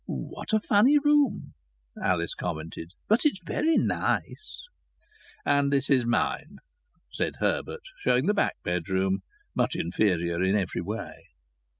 "What a funny room!" Alice commented. "But it's very nice." "And this is mine," said Herbert, showing the back bedroom, much inferior in every way.